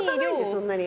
そんなに。